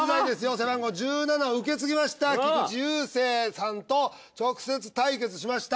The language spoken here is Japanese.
背番号１７を受け継ぎました菊池雄星さんと直接対決しました。